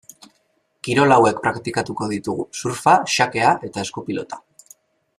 Kirol hauek praktikatuko ditugu: surfa, xakea eta eskupilota.